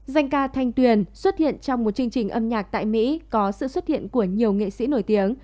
danh ca thanh tuyền xuất hiện trong một chương trình âm nhạc tại mỹ có sự xuất hiện của nhiều nghệ sĩ nổi tiếng